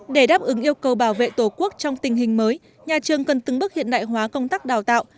để đáp ứng yêu cầu bảo vệ tổ quốc trong tình hình mới nhà trường cần từng bước hiện đại hóa công tác đào tạo